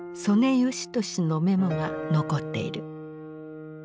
嘉年のメモが残っている。